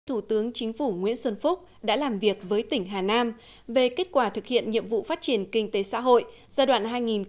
thủ tướng chính phủ nguyễn xuân phúc đã làm việc với tỉnh hà nam về kết quả thực hiện nhiệm vụ phát triển kinh tế xã hội giai đoạn hai nghìn một mươi một hai nghìn hai mươi